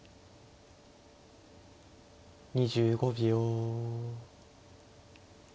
２５秒。